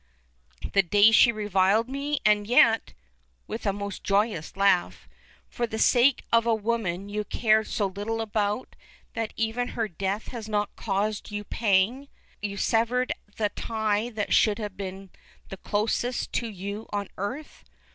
"The day she reviled me! And yet" with a most joyless laugh "for the sake of a woman you cared so little about, that even her death has not caused you a pang, you severed the tie that should have been the closest to you on earth?